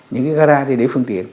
những garage để phương tiện